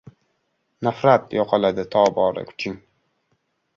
Nafrat, yo‘qoladi tobora kuching